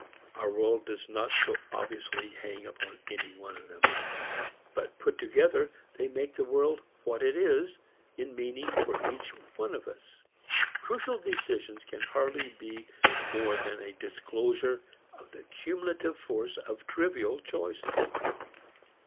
Our world does not so obviously hang upon any one of them; but put together they make the world what it is in meaning for each one of us. Crucial decisions can hardly be more than a disclosure of the cumulative force of trivial choices.